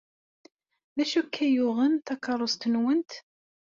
D acu akka ay yuɣen takeṛṛust-nwent?